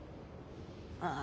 ああ？